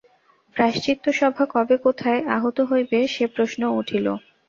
প্রায়শ্চিত্তসভা কবে কোথায় আহূত হইবে সে প্রশ্নও উঠিল।